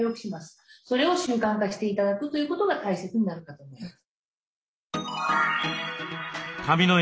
それを習慣化して頂くということが大切になるかと思います。